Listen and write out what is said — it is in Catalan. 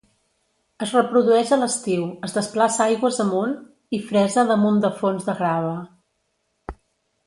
Es reprodueix a l'estiu: es desplaça aigües amunt i fresa damunt de fons de grava.